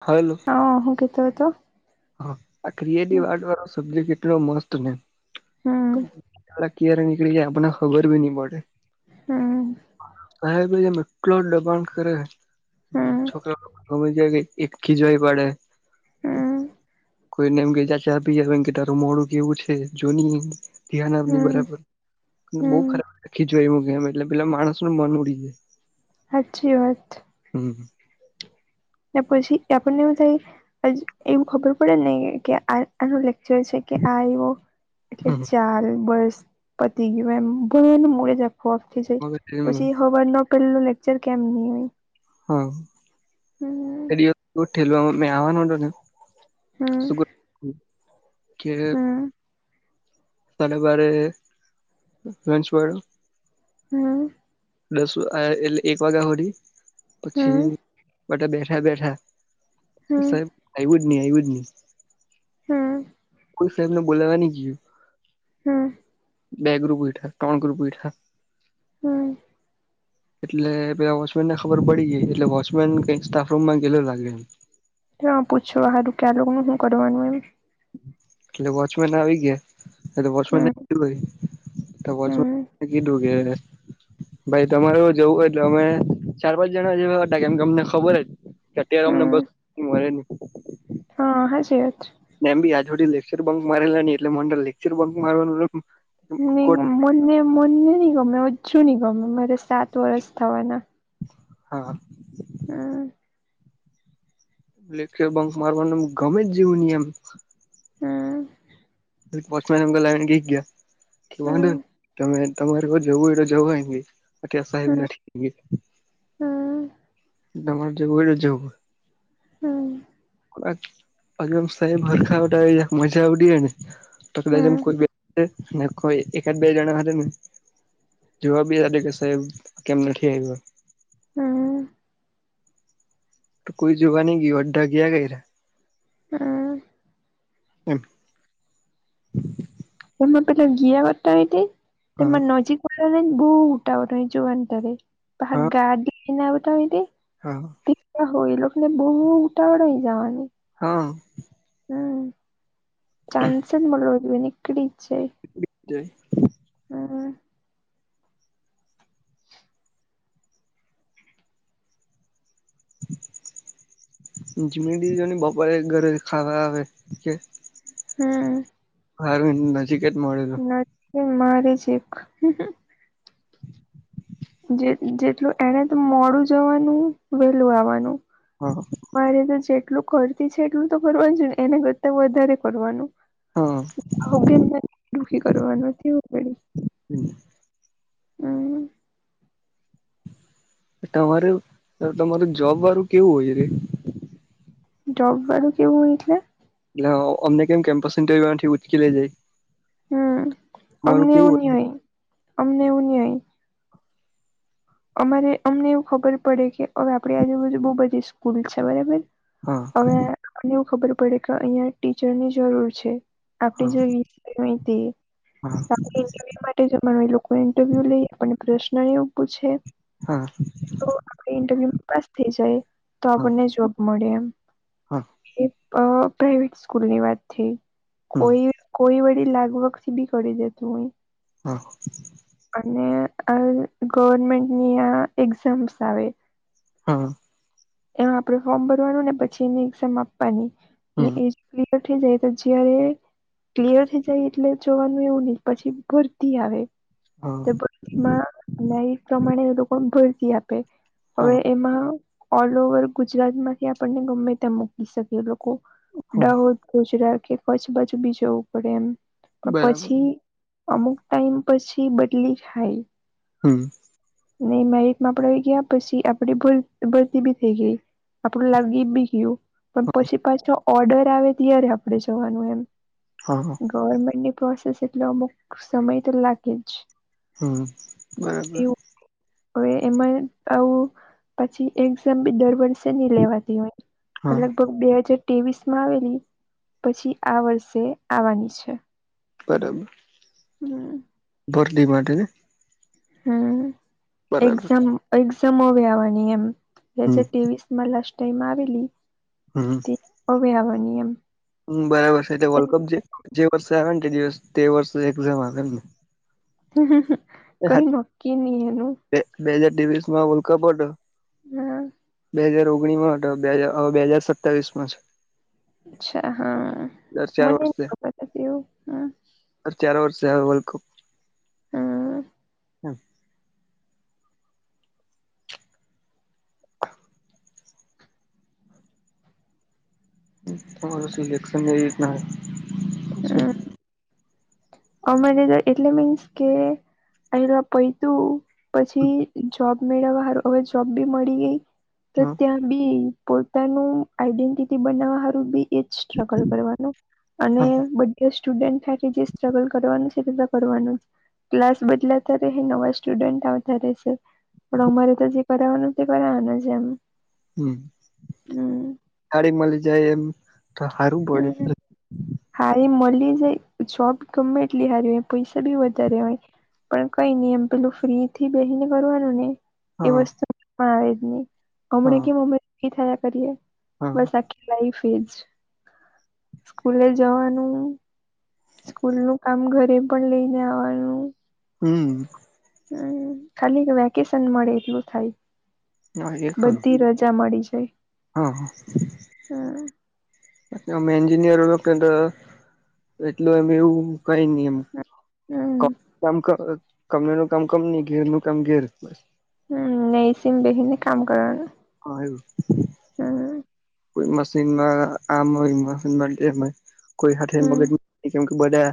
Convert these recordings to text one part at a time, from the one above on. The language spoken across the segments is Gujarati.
હલો હ હુ કેતો તો હા આ ક્રિએટિવ આર્ટ વાળો સબ્જેક એટલો મસ્ત ને હમ ક્યારે નીકળી જાય આપને ખબર ભી નહી પડે હમ હ [inaudible] એટલો દબાણ કરે હમ છોકરા ગમી જાય કે એ ખીજવ્ય પડે હમ્મ કોઈને એમ કે ચાલ ચા પીએ તો કે તારું મોડું કેવું છે જોની ધ્યાન આપ બરાબર, બહુ હમ ખરાબ રાખી જ એ કે એમ એટલે પેલા માણસ નું મન ઉડી જાય. સાચછી વાત. હમ હ. ને પછી આપણને એવુ થાય, એવું ખબર પડે નહી કે આ આનું લેક્ચર છે. કે આ એવો, એટલે ચાલ બસ પતી ગયું એમ. બોવાને મડે જો આપતી જઈ, હમ પછી હવાર ન કરે નું લેક્ચર કેમ નહી હોય. હા, હમ ઠેલ મે આવવાનો ને. શ હમ [unintelligible] કે હમ તલેબરે લચ બ [unintelligible] હમ. દસ એટલે એક વાગ્યા હોડી, હમ પછી માટે બેઠા બેઠા. હમ સાહેબ હાઈવુડ નની હાઈવુડ નની. હમ. કોઈ સાહેબને બોલાવવા નનીઈએ. હા. બે ગ્રુપ એઠા ટોન ગ્રુપ એઠા. હમ. એટલે પેલા વોચમેનને ખબર પડી ગઈ એટલે વોચમેન કઈક સ્ટાફ રૂમ માં ગેલો લાગે એમ. હ પૂછો હારું ક્યા લોકો નું શું કરવાનું એમ. એટલે વોચમેન આવી ગયા. એ તો બસ હમ હમ એસ ડુકે ભાઈ તમારે જવું હોય એટલે અમે ચાર પાંચ જણા જેવા હતા કેમ કે અમને ખબર જ. અત્યારે અમને હમ બસ મરે ન. હા હાચી વાત. ને એમ બી આજ હુંધી લેક્ચર બંક મારેલા નહીં એટલે મન તો લેક્ચર બંક મારવાનું ને [unintelligible] મને મને નહીં ગમે, ઓજું નહીં ગમે, મારે સાત વરસ થાવાના. હા. હમ્મ. લેક્ચર બંક મારવાનું આમ ગમે જ જેવું ની એમ. હમ. પન લ ગ કે કોને હમ તમે. તમારે હવે જવું હોય તો જવાય નહીં, અત્યારે સાહેબ નથી [unintelligible] હમ્મ. તમારે જવું હોય તો જવો. હમ્મ. મ સા ભ ખા મજા આવ. તો હમ કદામ કોઈ બે કોઈ એકાદ બે જણા ને. જોવા બીયાર કે સાહેબ કેમ નથી આવ્યો. હમ તો કોઈ જુગ ન ગય અ ડડા ગયા ગય એ. હા. ઓણ. એમાં પેલા ગીયા કરતા હતી હા તેમાં નજીક. બુટ આ જોુવા ત્યારે ગાડી નાતા હો. હા હા. દી હોય એ લોકો ને બહુ ઉટવળઈ જવાની. હા. હમ ચન્સ મળળકડી છેે. જય. હમ. [unintelligible] જમ દજને પપા ઘરે ખાવા આવે કે. હા. સારું નજીક જ મળે. મારે છે એક. જે જેટલું એને તો મોડું જવાનું વેલું આવવાનું. હા. મારે તો જેટલું કરતી છે એટલું તો કરવાનું છે ને એના કરતા વધારે કરવાનું. હા ગમ દુઃખી કરવાનુંવું. હમ. તમારે તમારું જોબ વાળું કેવું હોય રે. જબ બાડુ કેવું હોયલે. એટલે અમેક એમ ક કેમ્પસન્ટ ઠ ઉચકી લ જાય હમ તમારું અમને એવું કેવું નહ હોય અમને એવું નહ હોય. અમારે અમને એવું ખબર પડે કે હવે આપણી આજુબાજુ બહુ બધી સ્કૂલ છે બરાબર. હોય હવેને એવું ખબર પડે કે અહિયાં ટીચરની જરૂર છે. હા આપણે જોઈય તે. હા. જનો એ લોકો ઇન્ટરવ્યુ લઈ આપણને પ્રશ્ન એવ પૂછે. હા. તો આપ ઇન્ટરવ્યુમાં પાસ થઈ જાય તો હા આપણને જોબ મળે એમ. હા હા પ્રાઈવેટ સ્કૂલ ની વાત છે હમ કોઈ. કોઈ વળડી લાગભગ સી બી કરીડી દે તું હો. હા. અને આ ગવર્મેન્ટની આ એક્ઝામ્સ આવે. હા. એમાં આપડણે ફોર્મ ભરવાનું ને પછી એની એક્ઝામ આપવાની ને હમ એ. પઠ જાય તો જી. ક્લિયર થઈ જાય એટલે જોવાનું એવું નહિ પછી ભરતી આવે. હા માં ન પ્રમાણે એ લોકો ભરતી હતા. હવે હા એમાં ઓલ ઓવર ગુજરાત માંથી આપણને ગમે ત્યા મકી શકી. હા દાહોદ ગુજરા કે કચ્છ બાજુ બી જવું પડે એમ પણ બરાબર પછી. અમુક ટાઈમ પછી બદલી જાય. હમ નહી મેરટ માં આપડા આવીય ગયા પછી આપડી બી થઈ ગઈ આપ લાગી બી ગયું પણ પછી પાછો ઓર્ડર આવે ત્યારે આપડણે જવાનું એમ હા હા ગવર્મેન્ટની પ્રોસેસ એટલો અમુક સમય તો લાગે જ હમ બરાબર એવું હવે એમાં આવું પછી એક્ઝામ બી દર વર્ષે નની લેવાતી હોય હા અલગભ બે હજાર ત્રેવીસ માં આવેલી પછી આ વર્ષે આવવાની છે બરાબર હમ બરલી માટેને હમ બરાબર એક્ઝામ એક્ઝામવી આવવાની હમ એમજવી મા લસ્ટ ટાઈમ આવેલી હમ ઓવે આગ નિયમ હમ બરાબર છે એટલે વર્લ્ડ કપ જે જે વર્ષે આવે ને તે વર્ષ એક્ઝામ આવે ને કોઈ નોકી ન એનું બે હાજાર ત્રેવીસ માં વર્લ્ડ કપ બોર્ડ હમ બે હાજર ઓગણીસ માં બે હાજર સતાવીસ માં છે અચ્છા હા દર ચાર મને ખ એવું હમ સર ચાર વર્ષ વર્લ્ડ કપ હા હા તો તમારું સિલેક્શન ન જ ના અમરે એટલે મીન્સ કે એ પૈતું પછી જોબ મેળવવા હવે જોબ બી મળી ગઈ તો હા ત્યાં બી પોતાનું આઈડેન્ટિટી બનાવારું બી એ જ સ્ટ્રગલ કરવાનું અને હા બધે સ્ટુડન્ટ સાથે જે સ્ટ્રગલ કરવાનું છે કે ન કરવાનું છે ક્લાસ બદલાતા રહેશે નવા સ્ટુડન્ટ આવતા રહેશે પણ અમારે તો જે કરવાનું તે કરવાવાનું છે એમ હમ હમ થાડીી મળી જાય એમ તો સારું પડે હા એ મળી જાય જોબ ગમે એટલી હારી હોય પૈસા બી વધારે હોય પણ કઈ નઈ એમ પેલું ફ્રી થી બેસીને કરવાનું ને એ હા વસ્તુ આવે જ નહી હા હમણા કેમ હ થયા કરીએ હા બસ આખી લાઈફ એજ સ્કૂલે જવાનું સ્કૂલ નું કામ ઘરે પણ લઈને આવવાનું હમ હમ ખાલી વેકેશન મળે એટલું થાય હ એે ખરું બધી રજા મળી જાય હા હમ અમે એન્જિયર એટલું એમ એવું કઈ નહી એમ હમ કંપની નું કામ કંપની એ ને ઘેર નું કામ ઘેર હમ એસી મ બેહીને કામ કરવાનું હા એવું હમ કોઈ મશીનમાં આમ હોય મશીન માં ડેમેજ હોય કોઈ હાથે મગજ હમ [unintelligible] કેમ કે બધા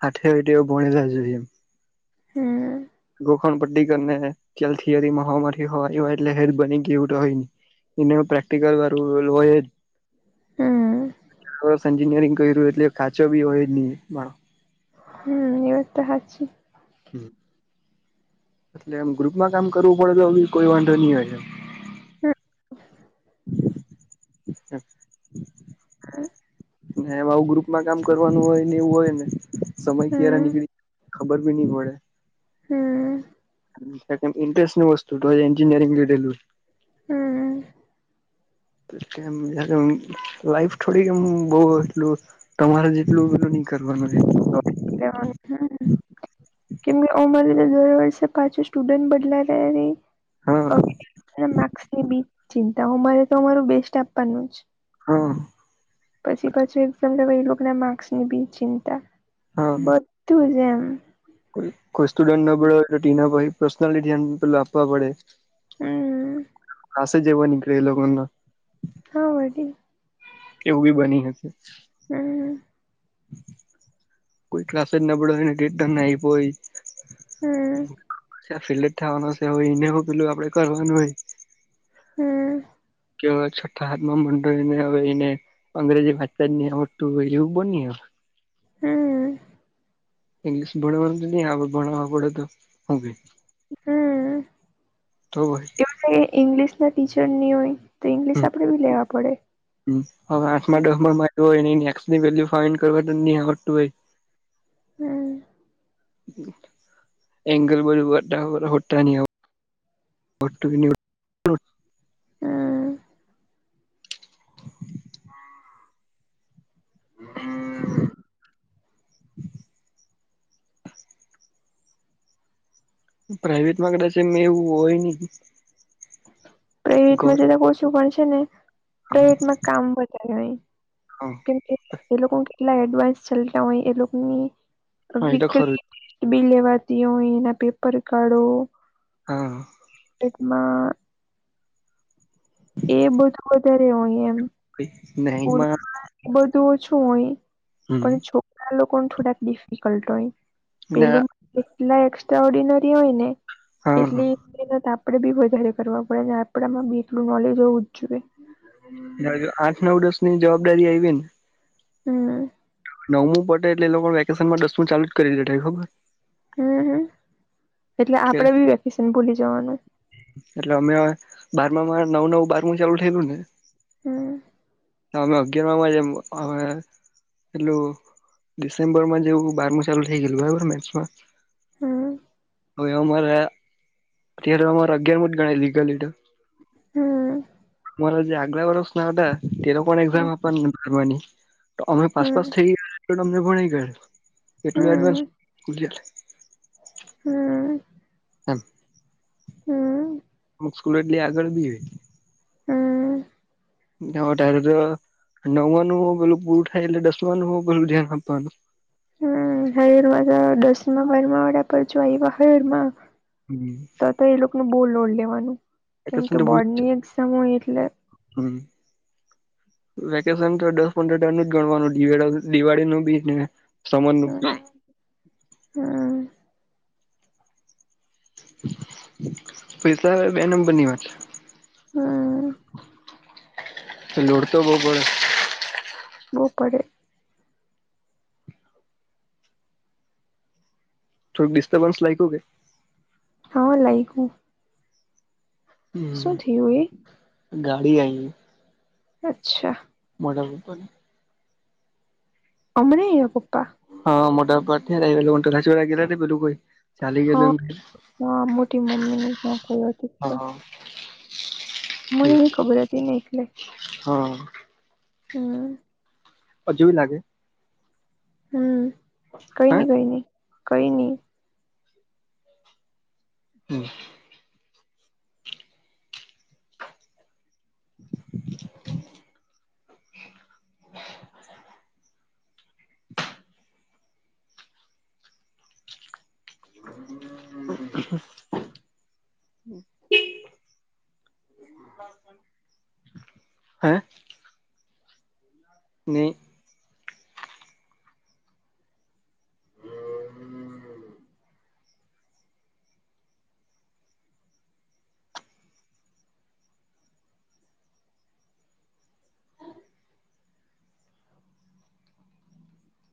હાથે હોય તેવ ભણેલા જ હોય એમ [inaudible] હમ ગોખણ પટ્ટી કરી ને ક્યા થિયરીમાં હોવા થી હોય એટલે હેલ્ બની ગય એવુંય એને પ્રેક્ટિકલ વારું [unintelligible] હોય જ હમ [unintelligible] એન્જિનિયરિંગ કર્યું એટલે કાચો બી હોય જ નહીં મારો હમ એવ તો હાચી હમ્મ એટલે એમ ગ્રુપમાં કામ કરવું પડે તો બ કોઈ વાંધો નહી હોય એ [unintelligible] [unintelligible] ના એમાં આવું ગ્રુપમાં કામ કરવાનું હોય ને એવું હોય ને સમય ક્યારે હમ નીકળી ખબર બી નહીં પડે હમ ઇન્ટરેસ્ટ નું વસ્તુ તો એન્જિનયરિંગ લીધેલું [inaudible] લાઈફ થોડીક એમ બઉ એટલું તમારે જેટલું બધું નહી કરવાનું રે અ મારે તો દર વર્ષે પાંચ સ્ટુડન્ટ બદલા રહે હા રહી માર્ક્સ ની બી ચિંતામારે તો અમારું બેસ્ટ આપવાનું જ હા. પછી પાછું એક્ઝામ લવા એ ના માર્ક્સની બી ચિંતા હા બદ ટુ જેમ કોઈ સ્ટુડન્ટ નબળો હોય તો ટી પર્સનલી ધ્યાન પેલ આપવા પડે હમ્મ હસે જેવા એ લોકોગનાત હા વળી કે એવું બી બની હકે હમ્મ કોઈ ક્લાસે જ નબળો હોયને તે તમને આપ્યો હોય હમ કા ફિલ્ડડ થવા છે હોય ને પેલું આપડે કરવાનું હોય હમ્મ કેવા છતાં આજ ના મંડળ ને હવે એને અંગ્રેજી વાંચતા નહી આવડતું હોય એવું બની હક હમ્મ ઇંગ્લીશ ભણવા તો નહી ભણ પડે તો હવે તો ઈ. એ ઈંગ્લિશ ના ટીચર ની હોય તો ઇંગ્લિશ આપડે બી લેવા પડે હવે આઠ મો હમ દહ મો ભણતો હોય એને એક્સ ની વેલ્યુ ફાઈન્ડ કરવા નહી આવડતું હોય હમ્મ એંગલ બરાબર બરાબર હોટા નહી હોતું [unintelligible] હમ્મ પ્રાઈવેટ માં કદાચ છે એવું હોય નહીં પ્રાઈવેટમાં જતા કોશું પણ છે ને હા પ્રઇવેટમાં કામ વધારે નહી હા. કેમ કે એ લોકો કેટલા એડવાન્સ ચાલતા હોય એ લોકોની હા એ તો વીકલી ખરું બિલ લેવાતીઓ એના પેપર કાઢો હા. ના. એ બધું વધારે હોય એમ વીક નહી સ્કૂલ માં બધું ઓછું હોય હમ પણ છોકરા લોકો થોડાક ડિફિકલ્ટ હોય ના પેલું એટલા એસ્ટ્રા ઓર્ડિનરી હોય ને હા એટલી આપણેે બી વધારે કરવા પડે ને આપણામાં બી એટલું નોલેજ હોવું જ જોઈએ આઠ નવ દસ ની જવાબદારી આવી ને હમ નવમું પટે એટલે લોકો વેકેશન માં દસમું ચાલુ જ કરી જ દેતા હોય ખબર હમ હમ એટલે કે આપણે બી વેકેશન ભૂલી જવાનું એટલે અમે બારમામાં નવ નવ બારમું ચાલુ થયેલું ને હમ તો અમે અગિયારમાં જે હવે એટલું ડિસેમ્બર માં જેવું બારમું ચાલુ થઈ ગયેલું બરાબર મેચમાં હમ હવે અમારે અત્યારે અમારે અગિયાર મો જ ગણાય લીગલ તો હમમ મારા જે આગલા વર્ષ ના હતા તેનો પણ એક્ઝામ હમ આપવાની તો અમે પાસ હમ પાસ થઈ ગયા તો અમને ભણી ગયા એટલું તો એડવાન્સ હયરમાં [unintelligible] અમુક સ્કૂલો એટલી આગળ બી વધરે તો નવમાંનું હો પેલું પૂરું થાય એટલે દસવાનું હો પેલું ધ્યાન આપવાનું હમમ હયુર માં દસમા વારમાં વળ્યા પર જો આવ હયુર માં હમ તો તો એ લોકોને બહુ લોડ લેવાનું કેમ વેકેશન કે તો ભૂલી જ બોર્ડની એક્ઝામ હોય એટલે હમ વેકેશન તો દસ પંદર [unintelligible] નું જ ગણવાનું દિવાળી દિવાળી નું બી ને સમર નું હમ પૈસા હવે બે નંબર ની વાત છે હમ લોડ તો બહુ પડે બહુ પડે થોડીક ડિસ્ટર્બન્સ લાગ્યું કે હા લાગ્યું શું હમ થયું એ? ગાડી આઈ. અચ્છા. મોટર [unintelligible] અમે નઈ પપ્પા. હા મોટાપાથી લઈ હું તને બલું કોઈ ચાલી હા ગયેલું એમ હા મોટી મમ્મી નું ક્યાં કઈ હતું કઈ. હા મન નઈ ખબર હતીને એટલે. હા. હમ્મ. હજુ બી લાગે? હમ્મ, કોઈ હે ની કોઈ ની કોઈ ની. હમ્મ. [inaudible] [inaudible] હે? ની